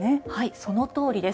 そのとおりです。